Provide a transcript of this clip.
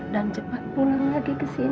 dan cepat pulang lagi kesini